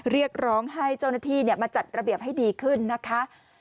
เรียกร้องให้เจ้าหน้าที่มาจัดระเบียบให้ดีขึ้นนะคะ